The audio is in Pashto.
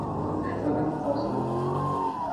شپږم فصل